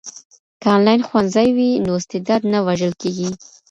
که انلاین ښوونځی وي نو استعداد نه وژل کیږي.